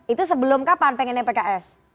itu sebelum kapan pengennya pks